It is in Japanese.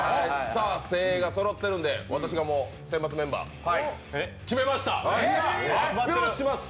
精鋭がそろってるんで、私が選抜メンバー、決めました、発表します。